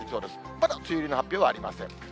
ただ、梅雨入りの発表はありません。